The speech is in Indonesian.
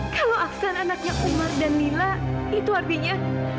kalau aksan anaknya umar dan nila itu artinya